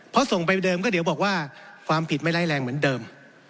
เพราะส่งไปเดิมก็เดี๋ยวบอกว่าความผิดไม่ไร้แรงเหมือนเดิม